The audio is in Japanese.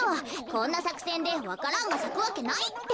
こんなさくせんでわか蘭がさくわけないって。